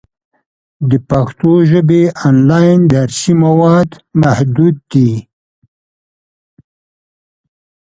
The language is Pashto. د پښتو ژبې آنلاین درسي مواد محدود دي.